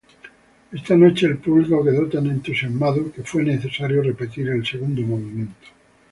Esa noche el público quedó tan entusiasmado que fue necesario repetir el segundo movimiento.